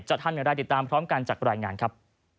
จัดท่านเงินรายติดตามพร้อมกันจากรายงานครับ